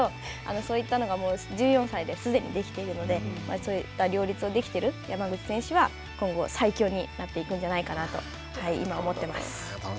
そういったのが１４歳ですでにできているのでそういった両立ができてる山口選手は今後最強になっていくんじゃないかなと今、思ってます。